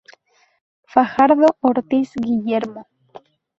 Fajardo Ortiz, Guillermo.